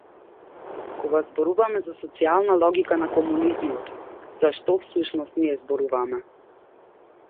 Кога зборуваме за социјална логика на комунизмот, за што, всушност, ние зборуваме?